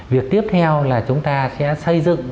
việc tiếp theo là chúng ta sẽ xây dựng